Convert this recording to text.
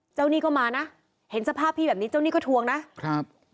หนี้ก็มานะเห็นสภาพพี่แบบนี้เจ้าหนี้ก็ทวงนะครับ